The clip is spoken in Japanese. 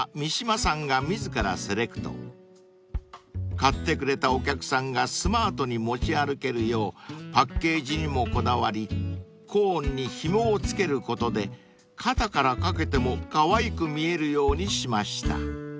［買ってくれたお客さんがスマートに持ち歩けるようパッケージにもこだわりコーンにひもを付けることで肩から掛けてもかわいく見えるようにしました］